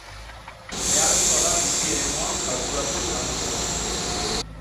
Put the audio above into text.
Beharrezkoa da bizi-eremua kalkulatu ahal izateko